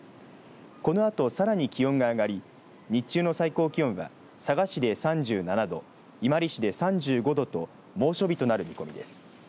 このあと、さらに気温が上がり日中の最高気温は佐賀市で３７度伊万里市で３５度と猛暑日となる見込みです。